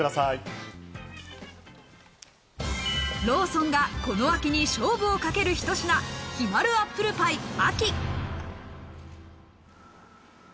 ローソンがこの秋に勝負をかけるひと品「陽まるアップルパイ・秋」。